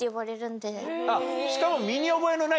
しかも。